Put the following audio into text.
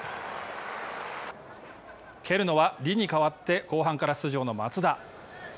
蹴るのは、李に代わって後半から出場の松田。